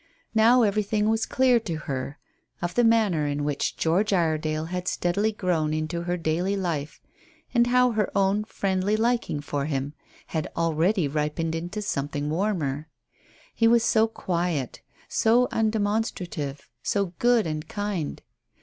Now everything was clear to her of the manner in which George Iredale had steadily grown into her daily life, and how her own friendly liking for him had already ripened into something warmer. He was so quiet, so undemonstrative, so good and kind.